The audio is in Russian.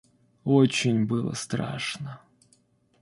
Очень было страшно.